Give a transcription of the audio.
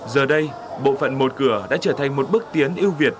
giờ đây bộ phận một cửa đã trở thành một bước tiến ưu việt